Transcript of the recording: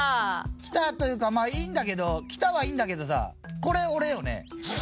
きたというかまあいいんだけどきたはいいんだけどさこれ俺よね？